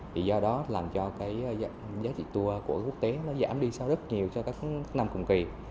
thì do đó làm cho giá trị tour của quốc tế giảm đi rất nhiều cho các năm cùng kỳ